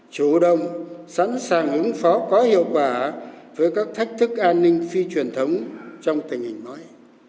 chủ động sẵn sàng ứng phó có hiệu quả với các thách thức an ninh phi truyền thống trong tình hình mới